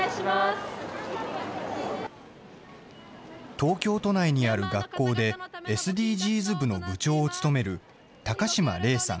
東京都内にある学校で、ＳＤＧｓ部の部長を務める、高嶌伶さん